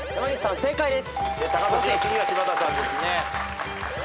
正解です。